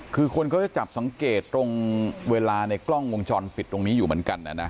คือคนเขาจะจับสังเกตตรงเวลาในกล้องวงจรปิดตรงนี้อยู่เหมือนกันนะ